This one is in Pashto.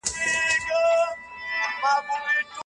دا ګډ ژوند به په محبت او درناوي سره تيروو.